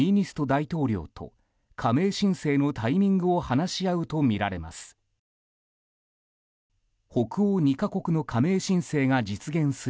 大統領と加盟申請のタイミングを話し合うとみられます。